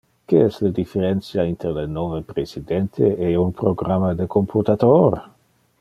Que es le differentia inter le nove presidente e un programma de computator?